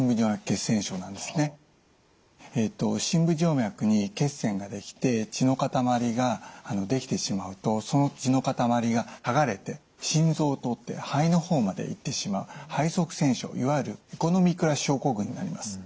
深部静脈に血栓が出来て血の塊が出来てしまうとその血の塊がはがれて心臓を通って肺の方まで行ってしまう肺塞栓症いわゆるエコノミークラス症候群になります。